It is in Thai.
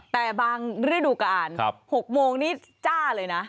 แต่บางฤดูกาล๖โมงนี้จ้าเลยนะ